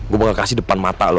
gue bakal kasih depan mata lo